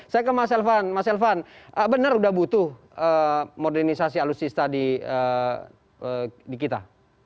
saya ke mas elvan mas elvan benar sudah butuh modernisasi alutsista di kita